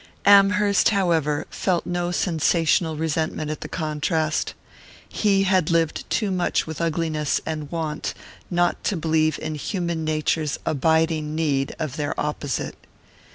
Amherst, however, felt no sensational resentment at the contrast. He had lived too much with ugliness and want not to believe in human nature's abiding need of their opposite.